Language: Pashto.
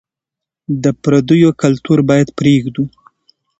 د پرديو کلتور بايد پرېږدو.